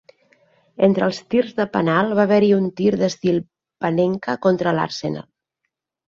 Entre els tirs de penal va haver-hi un tir d'estil "Panenka" contra l'Arsenal.